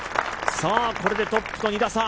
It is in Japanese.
これでトップと２打差。